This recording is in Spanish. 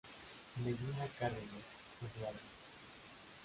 Medina Cárdenas, Eduardo.